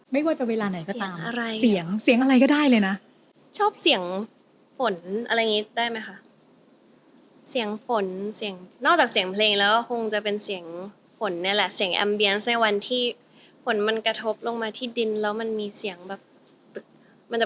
ไม่ว่าจะเวลาไหนสินะ